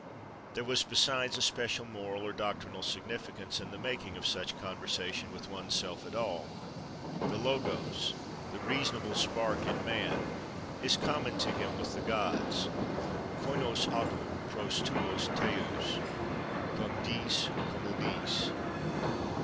There was, besides, a special moral or doctrinal significance in the making of such conversation with one's self at all. The Logos, the reasonable spark, in man, is common to him with the gods—koinos autô pros tous theous+—cum diis communis.